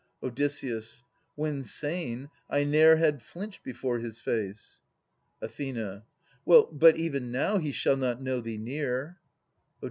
Od. When sane, I ne'er had flinched before his face. Ath. Well, but even now he shall not know thee near. Od.